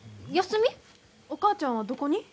お母ちゃんはどこに？